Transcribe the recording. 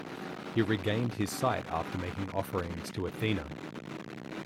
He regained his sight after making offerings to Athena.